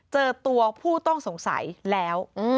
เจอตัวผู้ต้องสงสัยแล้ว